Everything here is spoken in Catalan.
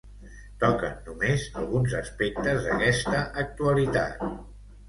toquen només alguns aspectes d'aquesta actualitat